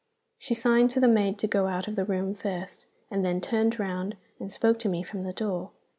She signed to the maid to go out of the room first, and then turned round and spoke to me from the door.